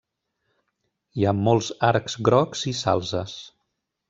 Hi ha molts arcs grocs i salzes.